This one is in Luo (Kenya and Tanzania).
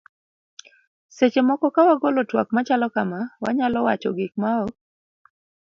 seche moko ka wagolo twak machalo kama, wanyalo wacho gik ma ok